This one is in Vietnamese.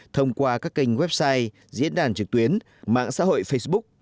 thông qua các kênh website diễn đàn trực tuyến mạng xã hội facebook